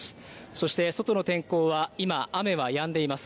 そして、外の天候は今、雨はやんでいます。